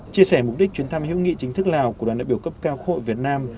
chia sẻ mục đích chuyến thăm hữu nghị chính thức lào của đoàn đại biểu cấp cao quốc hội việt nam